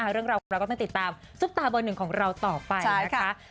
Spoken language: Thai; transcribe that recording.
เรื่องราวของเราก็ต้องติดตามซุปตาเบอร์หนึ่งของเราต่อไปนะคะ